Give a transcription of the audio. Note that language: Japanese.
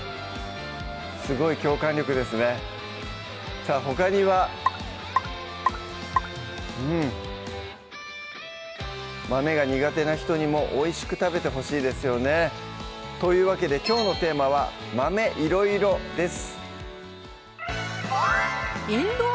さぁほかにはうん豆が苦手な人にもおいしく食べてほしいですよねというわけできょうのテーマは「豆いろいろ」です